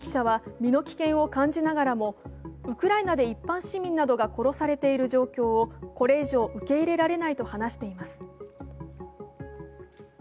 記事を書いた２人の若い記者は身の危険を感じながらもウクライナで一般市民などが殺されている状況をこれ以上受け入れられないと話しています。